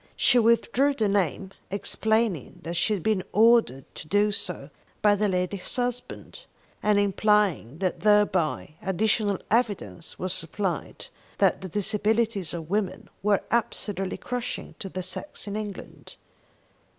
She withdrew the name, explaining that she had been ordered to do so by the lady's husband, and implying that thereby additional evidence was supplied that the Disabilities of Women were absolutely crushing to the sex in England.